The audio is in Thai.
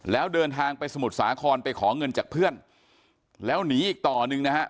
แล้วเดินทางไปสมุทรสาครไปขอเงินจากเพื่อนแล้วหนีอีกต่อหนึ่งนะฮะ